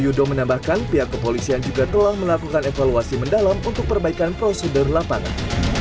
yudo menambahkan pihak kepolisian juga telah melakukan evaluasi mendalam untuk perbaikan prosedur lapangan